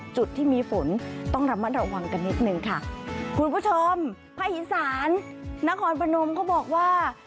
จุดที่มีฝนต้องระมัดระวังกันนิดนึงค่ะคุณผู้ชมภาคอีสานนครพนมเขาบอกว่า